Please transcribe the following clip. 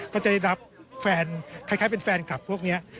ก็จะได้รับแฟนคล้ายเป็นแฟนคลับพวกนี้